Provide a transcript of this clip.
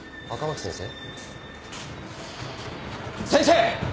先生！？